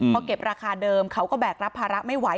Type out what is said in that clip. พอเก็บราคาเดิมเขาก็แบกรับภาระไม่ไหว